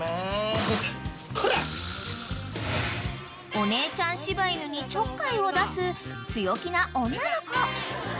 ［お姉ちゃん柴犬にちょっかいを出す強気な女の子］